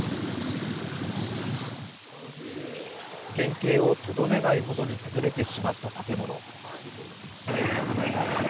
原形をとどめないほどに崩れてしまった建物。